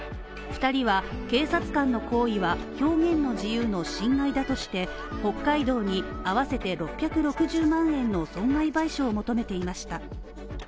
２人は警察官の行為は表現の自由の侵害だとして北海道に合わせて６６０万円の損害賠償を求めていました。